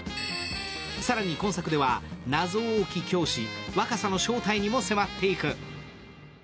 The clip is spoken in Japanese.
更に今作では謎多き教師若狭の正体にも迫っていく。